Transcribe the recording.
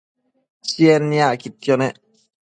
Chied niacquidquio nec